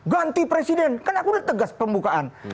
ganti presiden kan aku udah tegas pembukaan